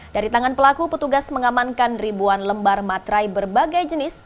dari tangan pelaku petugas mengamankan ribuan lembar matrai berbagai jenis